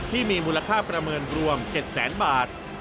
ที่มีมูลค่าประเมินรวม๗แสนบาท